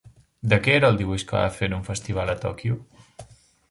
De què era el dibuix que va fer en un festival a Tòquio?